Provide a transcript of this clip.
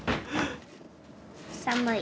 寒い。